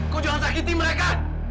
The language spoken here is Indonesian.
kau jangan sakiti mereka